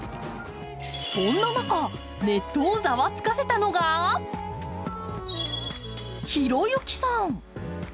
そんな中、ネットをざわつかせたのがひろゆきさん。